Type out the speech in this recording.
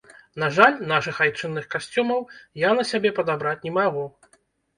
На жаль, нашых айчынных касцюмаў я на сябе падабраць не магу.